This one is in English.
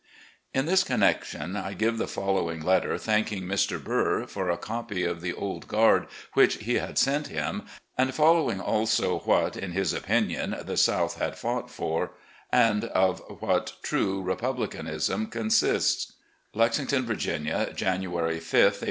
In this connection I give the following letter thanking Mr. Burr for a copy of the "Old Guard" which he had sent him, and showing also what, in his opinion, the South had fought for, and of what true repubhcanism consists : "Lexington, Virginia, January 5, 1866.